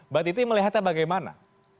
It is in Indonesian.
mbak titi melihatnya bagaimana